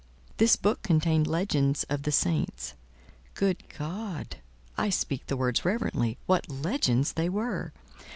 This book contained legends of the saints. Good God! (I speak the words reverently) what legends they were.